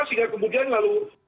sehingga kemudian lalu